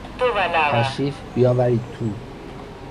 تشریف بیاورید تو.